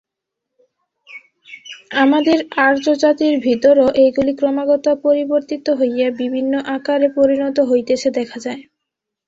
আমাদের আর্যজাতির ভিতরও এইগুলি ক্রমাগত পরিবর্তিত হইয়া বিভিন্ন আকারে পরিণত হইতেছে দেখা যায়।